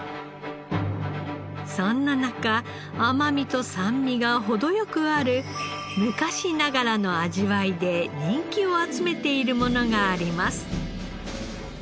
そんな中甘みと酸味が程良くある昔ながらの味わいで人気を集めているものがあります。